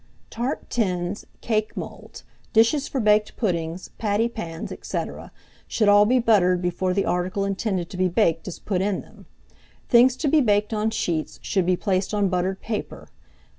Tart tins, cake moulds, dishes for baked puddings, pattypans, &c., should all be buttered before the article intended to be baked is put in them: things to be baked on sheets should be placed on buttered paper.